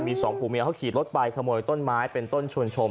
มีสองผัวเมียเขาขี่รถไปขโมยต้นไม้เป็นต้นชวนชม